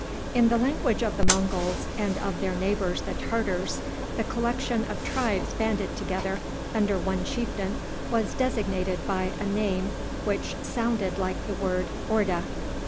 In the language of the Monguls and of their neighbors the Tartars, a collection of tribes banded together under one chieftain was designated by a name which sounded like the word orda.